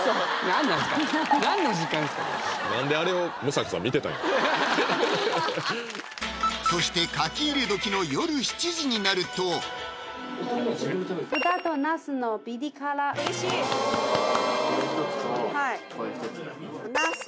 何であれをそして書き入れ時の夜７時になるとうれしい！